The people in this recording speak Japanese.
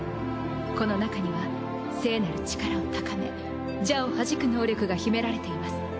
この中には聖なる力を高め邪をはじく能力が秘められています。